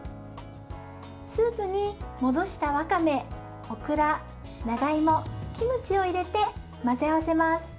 スープに、戻したわかめ、オクラ長芋、キムチを入れて混ぜ合わせます。